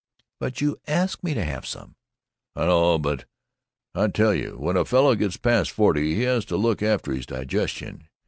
"But you asked me to have some." "I know, but I tell you, when a fellow gets past forty he has to look after his digestion.